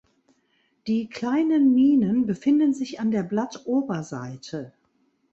Die kleinen Minen befinden sich an der Blattoberseite.